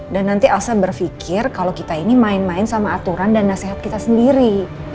dan nanti elsa berfikir kalau kita ini main main sama aturan dan nasihat kita sendiri